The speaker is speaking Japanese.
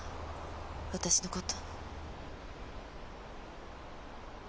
私のこと。